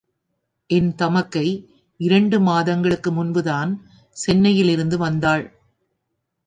என் தமக்கை இரண்டு மாதங்களுக்கு முன்புதான் சென்னையிலிருந்து வந்தாள்.